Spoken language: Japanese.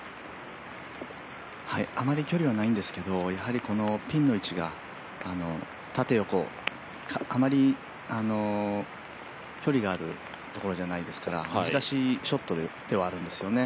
あまり距離はないんですけれども、やはりピンの位置が縦横、あまり距離があるところじゃないですから、難しいショットではあるんですよね。